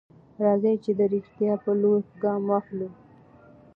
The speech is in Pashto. راځئ چې د رښتيا په لور ګام واخلو.